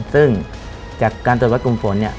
ซึ่งจากการตรวจวัดกลุ่มฝนเนี่ย